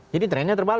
jadi trennya terbatas